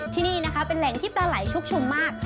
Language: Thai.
ที่นี่นะคะเป็นแหล่งที่ปลาไหลชุกชุมมาก